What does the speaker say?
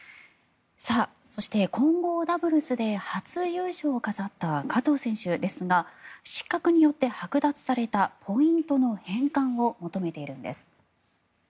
そして混合ダブルスで初優勝を飾った加藤選手ですが失格によってはく奪されたポイントの返還を求めているんです。